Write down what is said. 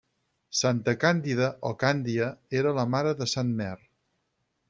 Santa Càndida o Càndia era la mare de Sant Mer.